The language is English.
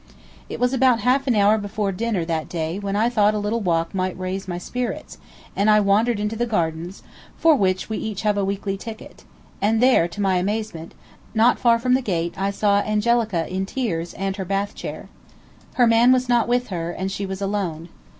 It was about a half an hour before dinner that day when I thought that a little walk might raise my spirits, and I wandered into the gardens, for which we each have a weekly ticket, and there, to my amazement, not far from the gate I saw Angelica in tears and her bath chair. Her man was not with her, and she was alone.